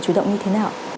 chủ động như thế nào